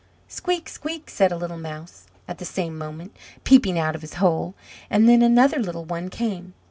"Squeak! squeak!" said a little Mouse at the same moment, peeping out of his hole. And then another little one came.